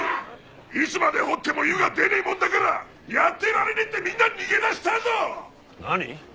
いつまで掘っても湯が出ねえもんだからやってられねえってみんな逃げ出したぞ何？